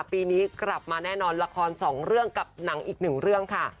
ปีนี้กลับมาแน่นอนละครสองเรื่องกับหนังอีกหนึ่งเรื่องค่ะ